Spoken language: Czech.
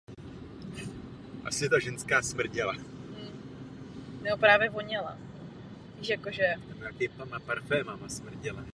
Dostavba na plný profil potom měla probíhat podle potřeby.